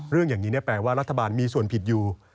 เรื่องอย่างนี้แปลว่ารัฐบาลมีส่วนผิดอยู่